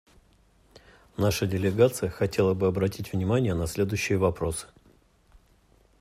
Наша делегация хотела бы обратить внимание на следующие вопросы.